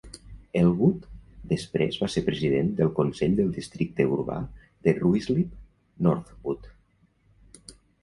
Elgood després va ser president del consell del districte urbà de Ruislip-Northwood.